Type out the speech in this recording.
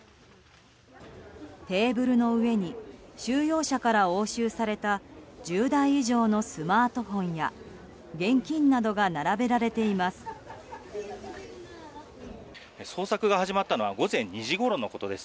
テーブルの上に収容者から押収された１０台以上のスマートフォンや現金などが並べられています。